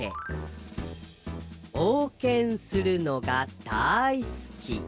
ぼうけんするのがだいすき！」。